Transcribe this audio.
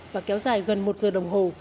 và kéo dài gần một giờ đồng hồ